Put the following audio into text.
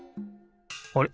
あれ？